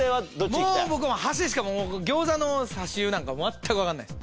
もう僕箸しか餃子の差し湯なんか全くわからないです。